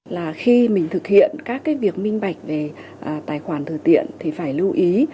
là khi mình thực hiện các cái việc minh bạch về tài khoản từ thiện thì phải lưu ý